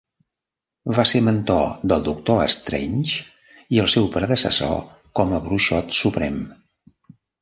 Va ser el mentor del Doctor Strange i el seu predecessor com a Bruixot Suprem.